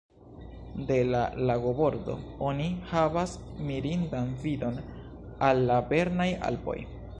De la lagobordo oni havas mirindan vidon al la Bernaj Alpoj.